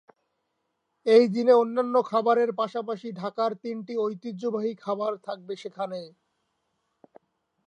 এই দিন অন্যান্য খাবারের পাশাপাশি ঢাকার তিনটি ঐতিহ্যবাহী খাবার থাকবে সেখানে।